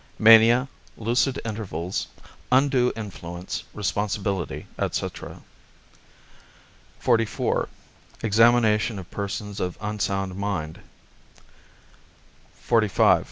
Mania, Lucid Intervals, Undue Influence, Responsibility, etc. 71 XLIV. Examination of Persons of Unsound Mind 76 XLV.